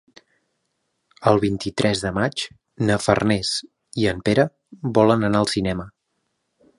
El vint-i-tres de maig na Farners i en Pere volen anar al cinema.